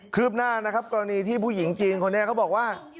คืบหน้านะครับที่ผู้หญิงจีนเขาบอกว่า